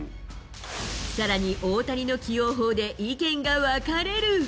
さらに大谷の起用法で、意見が分かれる。